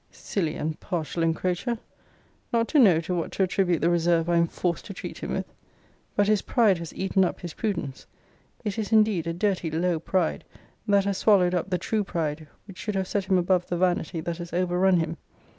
Silly and partial encroacher! not to know to what to attribute the reserve I am forced to treat him with! But his pride has eaten up his prudence. It is indeed a dirty low pride, that has swallowed up the true pride which should have set him above the vanity that has overrun him.